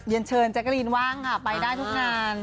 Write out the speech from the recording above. เย็นเชินแจ็คกาลีนด์ว่างไปได้ทุกนาน